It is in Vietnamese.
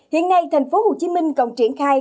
hiện nay thành phố hồ chí minh còn triển khai